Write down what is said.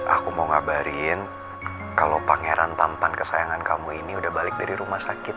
aku mau ngabarin kalau pangeran tampan kesayangan kamu ini udah balik dari rumah sakit